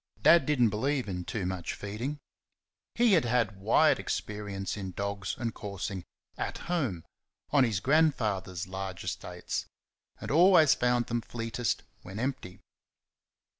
Dad did n't believe in too much feeding. He had had wide experience in dogs and coursing "at home" on his grandfather's large estates, and always found them fleetest when empty.